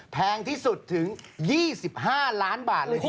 แพงที่สุดถึง๒๕ล้านบาทเลยทีเดียว